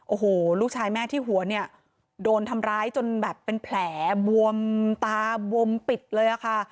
โอ้โหลูกชายแม่ที่หัวเนี่ยโดนทำร้ายจนแบบเป็นแผลบวมตาบวมปิดเลยอะค่ะ